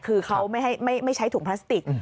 คือเขาไม่ใช้ถุงพลาสติก